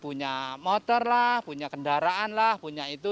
punya motor lah punya kendaraan lah punya itu